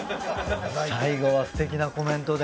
最後はすてきなコメントで。